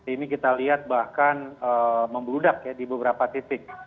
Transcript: ini kita lihat bahkan membludak ya di beberapa titik